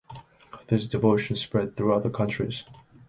This devotion spread through other countries.